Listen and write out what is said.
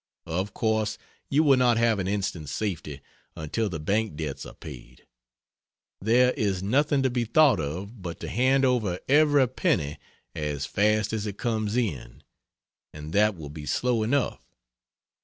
Of course you will not have an instant's safety until the bank debts are paid. There is nothing to be thought of but to hand over every penny as fast as it comes in and that will be slow enough!